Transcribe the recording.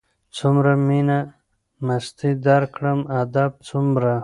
څومره مينه مستي درکړم ادب څومره